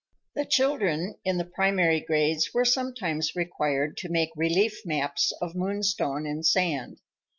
V The children in the primary grades were sometimes required to make relief maps of Moonstone in sand.